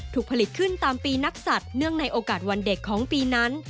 ถูกผลิตขึ้นตามปีนักศัตริย์เนื่องในโอกาสวันเด็กของปีนั้น